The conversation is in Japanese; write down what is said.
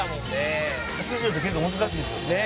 「８０って結構難しいですよね」